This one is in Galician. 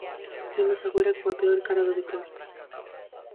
Imos agora coa peor cara do deporte.